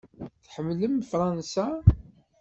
Tḥemmlem Fṛansa?